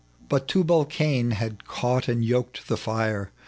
But Tubal Cain had caught and yoked the fire.